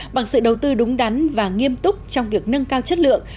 bằng sự đầu tư đúng đắn và nghiêm túc trong việc nâng cao chất lượng